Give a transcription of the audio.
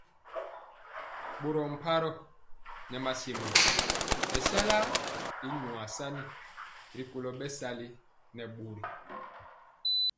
Boro pmaroo nɛ masiembö mesala y nyuar sani rikolo bɛsali nɛ boro.